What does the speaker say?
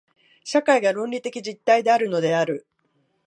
社会が倫理的実体であるのである。